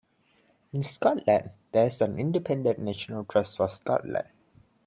In Scotland, there is an independent National Trust for Scotland.